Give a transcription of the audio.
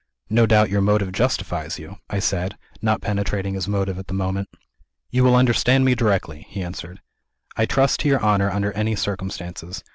"No doubt your motive justifies you," I said not penetrating his motive at the moment. "You will understand me directly," he answered. "I trust to your honor under any circumstances.